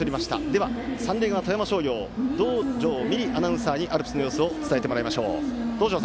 では三塁側、富山商業道上美璃アナウンサーにアルプスの様子を伝えてもらいます。